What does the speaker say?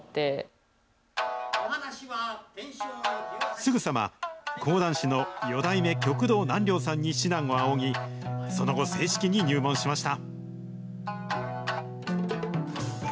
すぐさま、講談師の四代目旭堂南陵さんに指南を仰ぎ、その後、正式に入門しました。